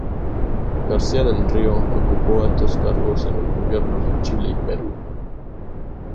García del Río ocupó altos cargos en los gobiernos de Chile y Perú.